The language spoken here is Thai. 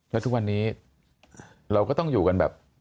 แล้วทุกวันนี้เราก็ต้องอยู่กันแบบ